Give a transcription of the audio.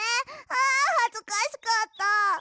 あはずかしかった。